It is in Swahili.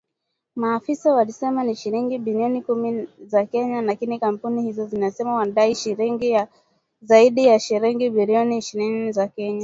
Maafisa walisema ni shilingi bilioni kumi za Kenya, lakini kampuni hizo zinasema wanadai zaidi ya shilingi bilioni ishirini za Kenya